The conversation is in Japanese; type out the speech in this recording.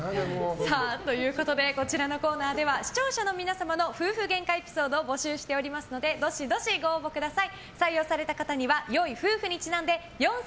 こちらのコーナーでは視聴者の皆様の夫婦ゲンカエピソードを募集しておりますのでどしどしご応募ください。